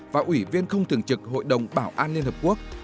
và ủy viên không thường trực hội đồng bảo an liên hợp quốc